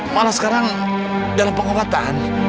malah sekarang dalam pengobatan